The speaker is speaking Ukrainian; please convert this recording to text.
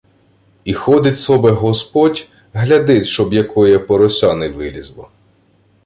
І ходит собе господь, глядит, щоб якоє порося не вилєзло.